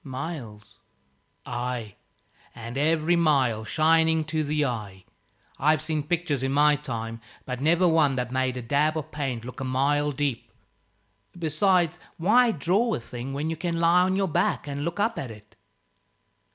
"Miles." "Ay, and every mile shining to the eye. I've seen pictures in my time, but never one that made a dab of paint look a mile deep. Besides, why draw a thing when you can lie on your back and look up at it?"